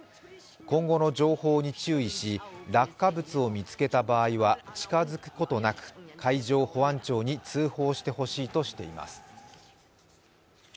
今後の情報に注意し、落下物を見つけた場合は近づくことなく海上保安庁に通報してほしいとしています。